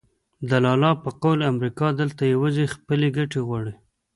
د لالا په قول امریکا دلته یوازې خپلې ګټې غواړي.